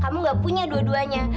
kamu gak punya dua duanya